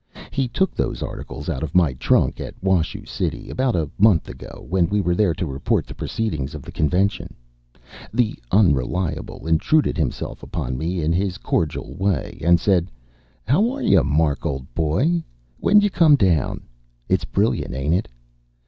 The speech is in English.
He took those articles out of my trunk, at Washoe City, about a month ago, when we went there to report the proceedings of the convention. The Unreliable intruded himself upon me in his cordial way, and said, "How are you, Mark, old boy? When d'you come down? It's brilliant, ain't it?